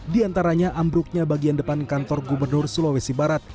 di antaranya ambruknya bagian depan kantor gubernur sulawesi barat